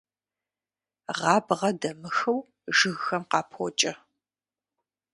Гъабгъэ дамыхыу жыгхэм къапокӀэ.